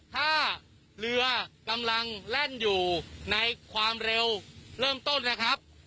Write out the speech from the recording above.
ถ้าเรือกำลังแล่นอยู่ในความเร็วเริ่มต้นนะครับ